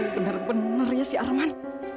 bener bener ya si arman